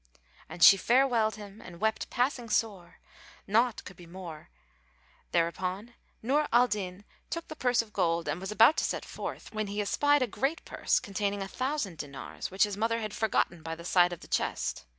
And she farewelled him and wept passing sore, nought could be more. Thereupon Nur al Din took the purse of gold and was about to go forth, when he espied a great purse containing a thousand dinars, which his mother had forgotten by the side of the chest.